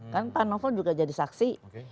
kan pak novel juga jadi saksi